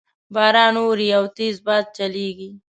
باران اوري او تیز باد چلیږي